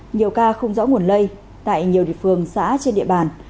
nhiều ca không rõ nguồn lây tại nhiều địa phương xã trên địa bàn